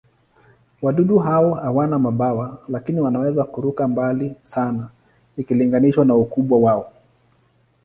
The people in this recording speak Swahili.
Wadudu hao hawana mabawa, lakini wanaweza kuruka mbali sana ikilinganishwa na ukubwa wao.